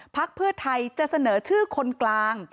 พักเพื่อไทยจะเสนอชื่อคนกลาง